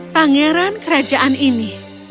pangeran kerajaan ini